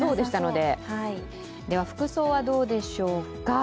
では、服装はどうでしょうか。